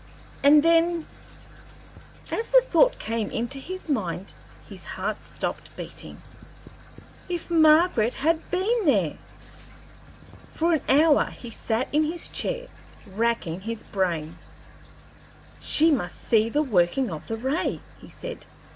and then" as the thought came into his mind his heart stopped beating "if Margaret had been there!" For an hour he sat in his chair, racking his brain. "She must see the working of the ray," he said.